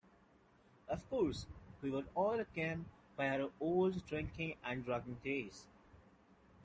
Of course, we're all akin by our old drinking and drugging days.